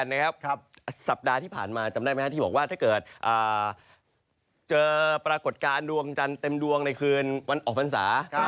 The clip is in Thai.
แล้วครับสัปดาห์ที่ผ่านมาที่บอกว่าถ้าเจอปรากฏการณ์ดวงชาติเต็มดวงในคืนวันออกฝังศา